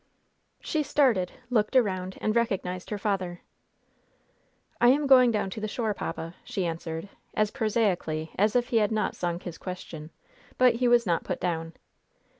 She started, looked around and recognized her father. "I am going down to the shore, papa," she answered, as prosaically as if he had not sung his question. But he was not put down.